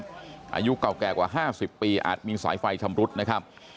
อายุเก่าแก่กว่า๕๐ปีอาจมีสายไฟชำรุดนะครับ